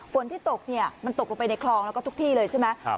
ฝนที่ตกเนี่ยมันตกลงไปในคลองแล้วก็ทุกที่เลยใช่ไหม